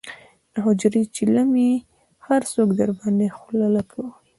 د حجرې چیلم یې هر څوک درباندې خله لکوي.